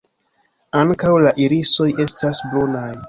Ankaŭ la irisoj estas brunaj.